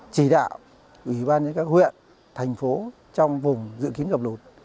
chỉ đạo ủy ban các huyện thành phố trong vùng dự kiến gặp lột